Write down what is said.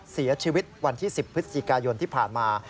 เสียชีวิตวันที่๑๐พฤศจิกายนที่ผ่านมา